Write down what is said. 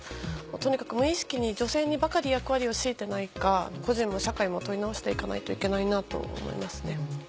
とにかく無意識に女性にばかり役割を強いてないか個人も社会も問い直していかないといけないなと思いますね。